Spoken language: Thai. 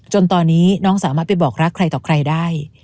จนตอนนี้น้องสามารถไปบอกรักใครต่อใครได้